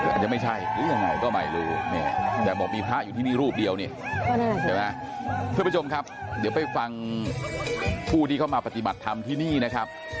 อาจจะไม่ใช่หรือยังไงก็ไม่รู้เนี่ยแต่บอกมีพระอยู่ที่นี่รูปเดียวนี่ใช่ไหมท่านผู้ชมครับเดี๋ยวไปฟังผู้ที่เข้ามาปฏิบัติธรรมที่นี่นะครับ